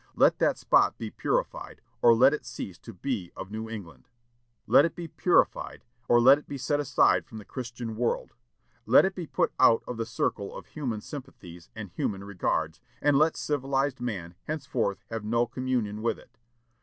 Let that spot be purified, or let it cease to be of New England. Let it be purified, or let it be set aside from the Christian world; let it be put out of the circle of human sympathies and human regards, and let civilized man henceforth have no communion with it."